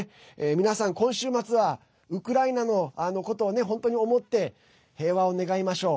皆さん、今週末はウクライナのことを本当に思って平和を願いましょう。